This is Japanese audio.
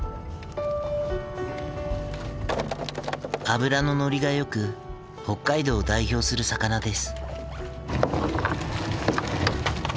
脂の乗りがよく北海道を代表する魚です。